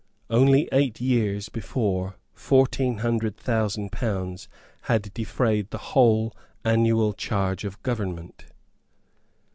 Only eight years before fourteen hundred thousand pounds had defrayed the whole annual charge of government.